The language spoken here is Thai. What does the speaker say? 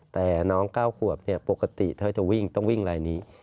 แต่น้องเก้ากวบเนี่ยปกติถึงวิ่งแบบนี้